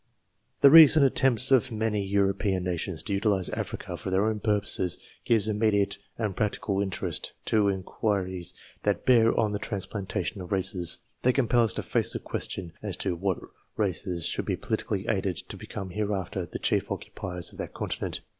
The recent attempts by many European nations to utilize Africa for their own purposes gives immediate and practical interest to inquiries that bear on the transplantation of races. They compel us to face the question as to what races should be politically aided to become hereafter the chief occupiers of that continent.